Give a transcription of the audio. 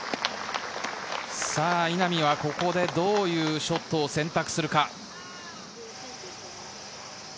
稲見はここでどういうショットを選択するか？